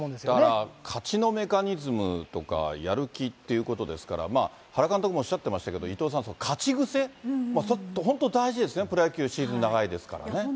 だから勝ちのメカニズムとか、やる気ということですから、原監督もおっしゃっていましたけど、伊藤さん、勝ち癖、本当大事ですね、プロ野球、シーズン長いですからね。